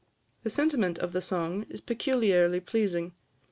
The sentiment of the song is peculiarly pleasing.